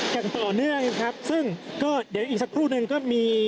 อย่างต่อเนื่องครับซึ่งก็เดี๋ยวอีกสักครู่หนึ่งก็มี